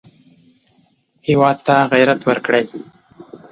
هېواد ته غیرت ورکړئ